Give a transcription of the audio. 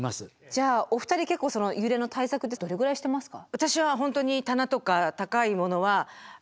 じゃあお二人結構その揺れの対策ってどれぐらいしてますか？